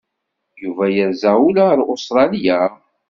Yuba yerza ula ar Ustṛalya?